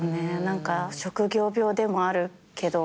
何か職業病でもあるけど。